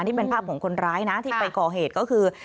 นี่เป็นภาพของคนร้ายนะที่ไปก่อเหตุก็คือ